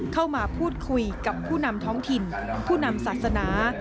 เข้ามาพูดคุยกับผู้นำท้องถิ่นผู้นำศาสนา